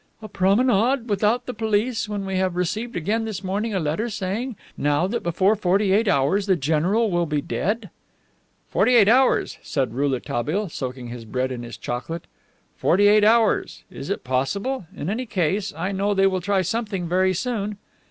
"A promenade! Without the police, when we have received again this morning a letter saying now that before forty eight hours the general will be dead!" "Forty eight hours," said Rouletabille, soaking his bread in his chocolate, "forty eight hours? It is possible. In any case, I know they will try something very soon."